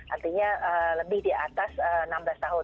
artinya lebih di atas enam belas tahun